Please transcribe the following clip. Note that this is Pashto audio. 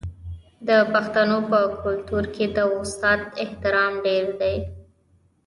د پښتنو په کلتور کې د استاد احترام ډیر دی.